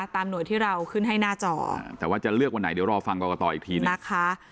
ตามหน่วยที่เราขึ้นให้หน้าจอแต่ว่าจะเลือกวันไหนเดี๋ยวรอฟังเรากะต่ออีกที